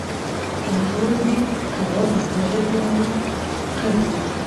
Ahandi kaba (akajagari) ha kabiri